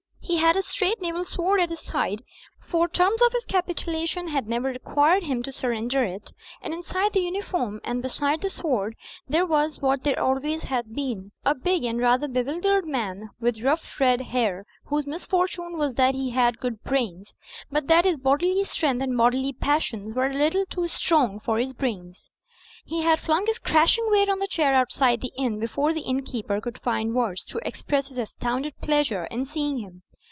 He had a straight naval sword at his side ; for e terms of his capitulation had never required him to surrender it ; and inside the uniform and beside the sword there was what there always had been, a big and rather bewildered man with rough red hair, whose misfortune was that he! had good brains, but that his u,y,u.«ubyGOOgt^ 44 THE FLYING INN bodily strength and bodily passions were a little too strong for his brains. He had flung his crashing weight on the chair out side the inn before the innkeeper cotild find words to express his astounded pleasure in seeing him.